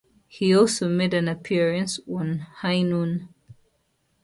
He also made an appearance on "High Noon".